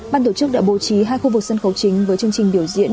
ban tổ chức đã bố trí hai khu vực sân khấu chính với chương trình biểu diễn